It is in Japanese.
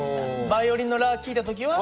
バイオリンのラ聞いた時は？